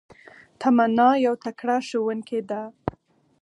تمنا يو تکړه ښوونکي ده